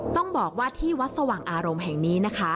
ต้องบอกว่าที่วัดสว่างอารมณ์แห่งนี้นะคะ